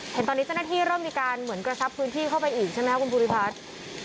เห็นตอนนี้เจ้าหน้าที่เริ่มมีการเหมือนกระชับพื้นที่เข้าไปอีกใช่ไหมครับคุณภูริพัฒน์